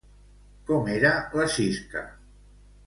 Com era la Sisca?